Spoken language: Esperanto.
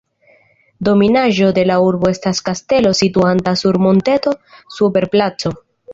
Dominaĵo de la urbo estas kastelo, situanta sur monteto super placo.